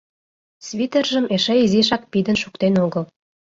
свитержым эше изишак пидын шуктен огыл.